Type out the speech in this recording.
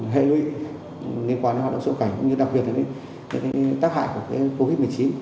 hệ lụy liên quan đến hoạt động xuất cảnh cũng như đặc biệt là tác hại của covid một mươi chín